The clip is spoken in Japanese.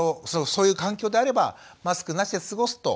そういう環境であればマスクなしで過ごすと。